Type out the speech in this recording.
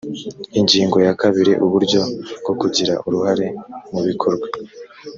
ingingo ya kabiri uburyo bwo kugira uruhare mubikorwa